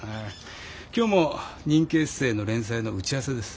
今日も人気エッセーの連載の打ち合わせです。